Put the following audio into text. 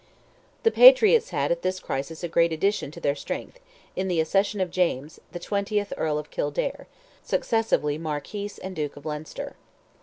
The Patriots had at this crisis a great addition to their strength, in the accession of James, the twentieth Earl of Kildare, successively Marquis and Duke of Leinster.